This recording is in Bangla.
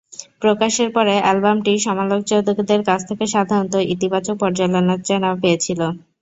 প্রকাশের পরে, অ্যালবামটি সমালোচকদের কাছ থেকে সাধারণত ইতিবাচক পর্যালোচনা পেয়েছিল।